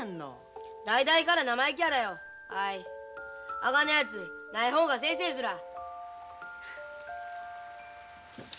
あがなやつない方がせいせいすらあ。